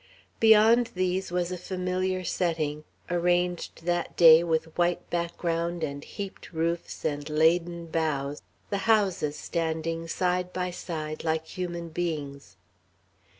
Beyond these was a familiar setting, arranged that day with white background and heaped roofs and laden boughs, the houses standing side by side, like human beings.